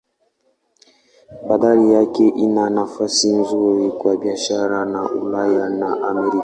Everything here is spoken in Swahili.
Bandari yake ina nafasi nzuri kwa biashara na Ulaya na Amerika.